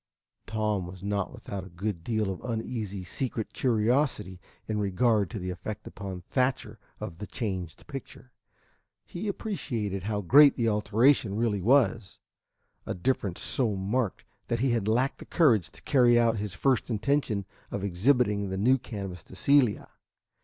Tom was not without a good deal of uneasy secret curiosity in regard to the effect upon Thatcher of the changed picture. He appreciated how great the alteration really was, a difference so marked that he had lacked the courage to carry out his first intention of exhibiting the new canvas to Celia.